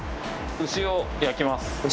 牛を焼きます牛？